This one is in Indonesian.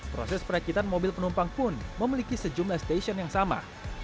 proses perakitan mobil penumpang pun memiliki sejumlah stasiun yang sama